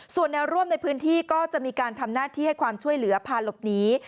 ส่วนแนวร่วมในพื้นที่ก็จะมีการทำหน้าที่ให้ความช่วยเหลือพาหลบหนี